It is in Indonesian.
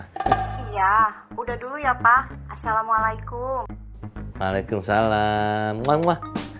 iya udah dulu ya pa